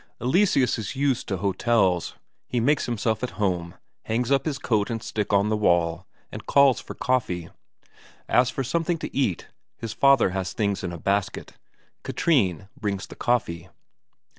Eleseus is used to hotels; he makes himself at hojne, hangs up his coat and stick on the wall, and calls for coffee; as for something to eat, his father has things in a basket. Katrine brings the coffee.